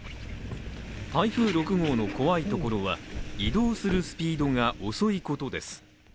台風６号の怖いところは、移動するスピードが遅いことです。